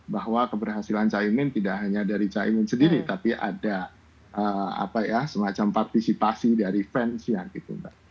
bahwa keberhasilan caimin tidak hanya dari caimin sendiri tapi ada apa ya semacam partisipasi dari fans yang gitu mbak